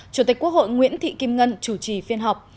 chủ tịch quốc hội nguyễn thị kim ngân chủ trì phiên họp